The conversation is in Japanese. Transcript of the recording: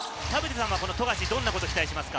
この富樫、どんなことを期待しますか？